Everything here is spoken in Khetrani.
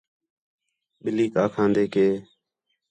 ٻِلّھیک آکھاندے کہ